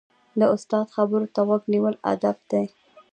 د استاد خبرو ته غوږ نیول ادب دی.